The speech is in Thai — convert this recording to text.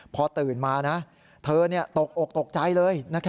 พอตื่นมานะเธอตกอกตกใจเลย